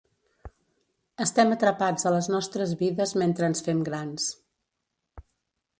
Estem atrapats a les nostres vides mentre ens fem grans.